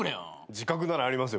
自覚ならありますよ